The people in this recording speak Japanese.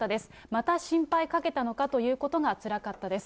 また心配かけたのかということがつらかったです。